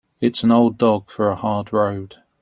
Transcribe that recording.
It's an old dog for a hard road.